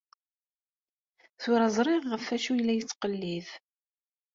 Tura ẓriɣ ɣef wacu i la yettqellib.